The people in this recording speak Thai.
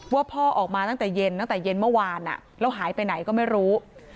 ว่าพ่อออกมาตั้งแต่เย็นเมื่อวานแล้วหายไปไหนก็ไม่รู้